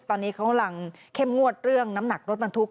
ตอนนี้เขากำลังเข้มงวดเรื่องน้ำหนักรถบรรทุก